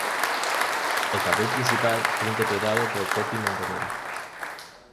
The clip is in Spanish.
El papel principal es interpretado por Poppy Montgomery.